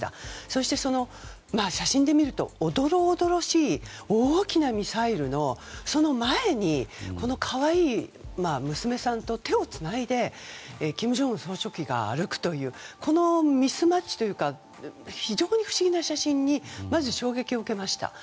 そして、写真で見るとおどろおどろしい大きなミサイルの前に可愛い娘さんと手をつないで金正恩総書記が歩くというこのミスマッチというか非常に不思議な写真にまず衝撃を受けました。